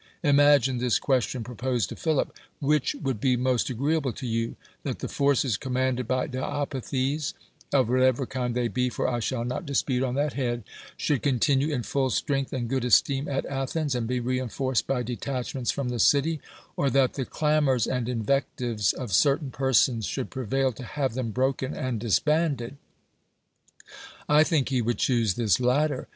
Imagine this question proposed to Philip : "Which would be most agreeable to you, that the forces commanded by Diopithes"" — of what ever kind they be, for I shall not dispute on that head — "should continue in full strength and good esteem at Athens, and be reinforced by detachments from the city; or that the clamors and invectives of certain persons should prevail to have them broken and disbanded?" I think he would choose this latter.